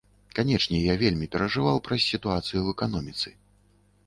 Канечне, я вельмі перажываў праз сітуацыю ў эканоміцы.